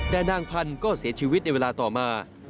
แต่นางพันธุ์ก็เสียชีวิตในเวลาต่อมา